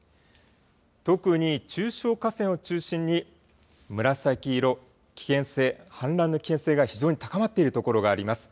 特に中小河川を中心に紫色、氾濫の危険性が非常に高まっている所があります。